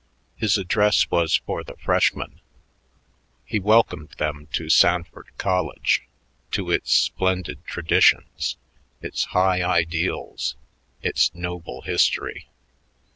His address was for the freshmen: he welcomed them to Sanford College, to its splendid traditions, its high ideals, its noble history.